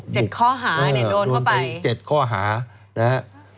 เจ็ดข้้อหาเนี่ยโดนเข้าไป